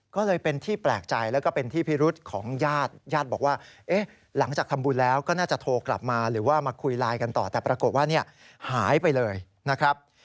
ก็เลยเป็นที่แปลกใจแล้วก็เป็นที่พิรุษของญาติญาติบอกว่าหลังจากทำบุญแล้วก็น่าจะโทรกลับมาหรือว่ามาคุยไลน์กันต่อแต่ปรากฏว่าเนี่ยหายไปเลยนะครับ